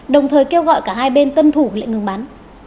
đồng thời kêu gọi cả hai bên tuân thủ lệnh ngừng bắn